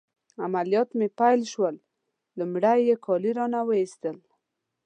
عملیات مې پیل شول، لمړی يې کالي رانه وایستل.